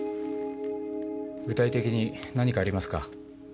具体的に何かありますか？